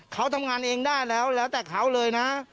เขาทำงานเองได้แล้วแล้วแต่เขาเลยนะ